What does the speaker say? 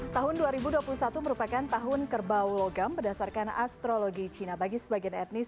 tahun dua ribu dua puluh satu merupakan tahun kerbau logam berdasarkan astrologi cina bagi sebagian etnis